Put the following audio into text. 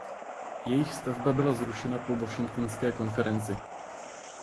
Jejich stavba byla zrušena po Washingtonské konferenci.